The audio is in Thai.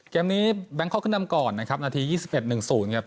เกมนี้แบงคอกขึ้นนำก่อนนะครับนาที๒๑๑๐ครับ